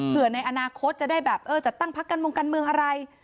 ในอนาคตจะได้แบบเออจัดตั้งพักการเมืองอะไร